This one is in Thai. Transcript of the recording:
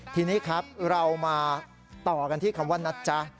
ทีนี้ครับเรามาต่อกันที่คำว่านะจ๊ะ